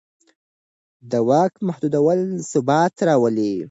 د واک محدودول ثبات راولي